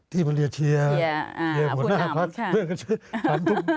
ที่มันเเรียเชียเฉียหมุนหน้าพรรค